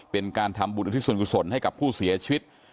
เป็นการทำบุญอุทิศส่วนกุศลให้กับผู้เสียชีวิต